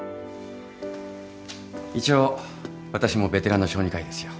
一応私もベテランの小児科医ですよ。